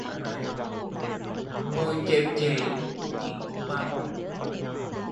Ngồi chễnh chện như bà hoàng